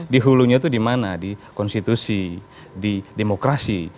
di hulunya itu di mana di konstitusi di demokrasi